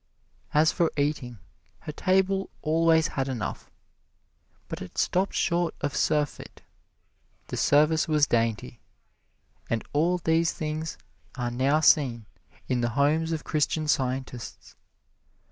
As for eating, her table always had enough, but it stopped short of surfeit; the service was dainty, and all these things are now seen in the homes of Christian Scientists.